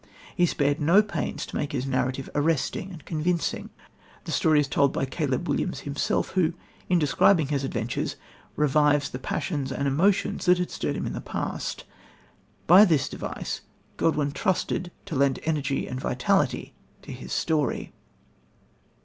He spared no pains to make his narrative arresting and convincing. The story is told by Caleb Williams himself, who, in describing his adventures, revives the passions and emotions that had stirred him in the past. By this device Godwin trusted to lend energy and vitality to his story.